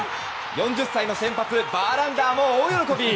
４０歳の先発バーランダーも大喜び！